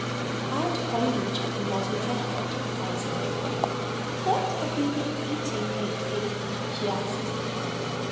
Aunt Polly Woodchuck nodded her head wisely. "What have you been eating lately?" she asked.